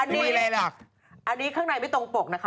อันนี้อะไรล่ะอันนี้ข้างในไม่ตรงปกนะคะ